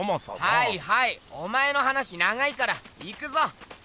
はいはいお前の話長いから行くぞ！